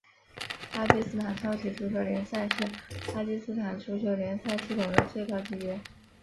巴基斯坦超级足球联赛是巴基斯坦足球联赛系统的最高级别。